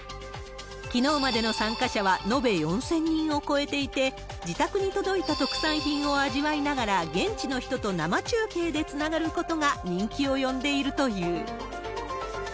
きのうまでの参加者は延べ４０００人を超えていて、自宅に届いた特産品を味わいながら、現地の人と生中継でつながることが人気を呼んでいるという。